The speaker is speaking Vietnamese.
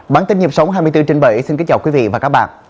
bản tin nhịp sống hai mươi bốn trên bảy xin kính chào quý vị và các bạn